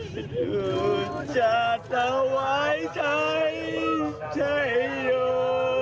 ถึงจะตะวายใจใช่หรือ